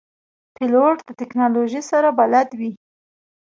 پیلوټ د تکنالوژۍ سره بلد وي.